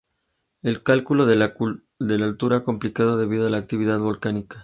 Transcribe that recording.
El cálculo de la altura es complicado debido a la actividad volcánica.